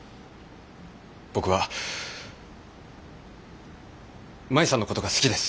僕は舞さんのことが好きです。